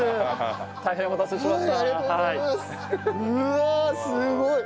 うわあすごい！